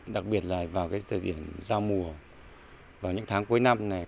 đặc biệt là vào thời điểm giao mùa vào những tháng cuối năm này